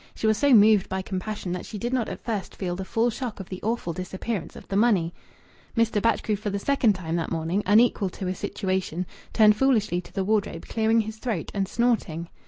She was so moved by compassion that she did not at first feel the full shock of the awful disappearance of the money. Mr. Batchgrew, for the second time that morning unequal to a situation, turned foolishly to the wardrobe, clearing his throat and snorting.